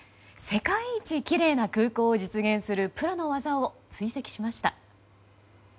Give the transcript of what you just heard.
世界一きれいな空港を実現するプロの技を追跡しました。